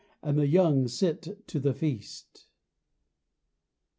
And the young sit to the feast.